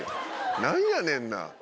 何やねんな。